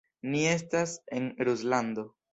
Ni estas en Ruslando.